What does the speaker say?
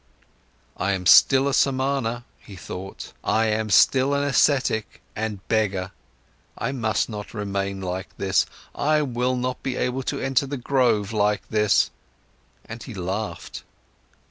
I am still a Samana, he thought, I am still an ascetic and beggar. I must not remain like this, I will not be able to enter the grove like this. And he laughed.